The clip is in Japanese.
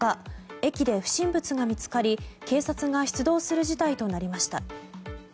駅で不審物が見つかり、警察が出動する事態となりました。